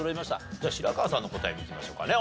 じゃあ白河さんの答え見てみましょうかね。